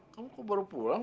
kamu kok baru pulang